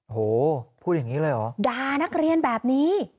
โหพูดอย่างนี้เลยเหรอด่านักเรียนแบบนี้